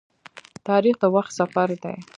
تاریخ د وخت سفر دی.